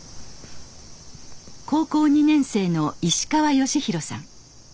高校２年生の石川喜寛さん。